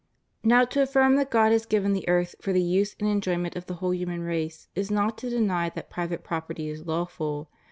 . Now to affirm that God has given the earth for the use and enjoyroent of the whole human race is not to deny that private property is lawful.